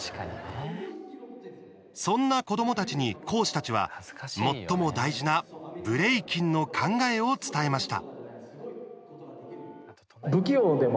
そんな子どもたちに、講師たちは最も大事なブレイキンの考えを伝えました。